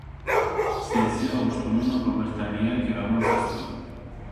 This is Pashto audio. سیاسي اوښتونونه په برېټانیا کې رامنځته شول.